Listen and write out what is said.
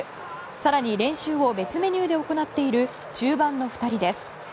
更に練習を別メニューで行っている中盤の２人です。